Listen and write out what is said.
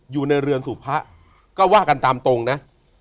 อยู่ในเรือนสู่พระก็ว่ากันตามตรงนะ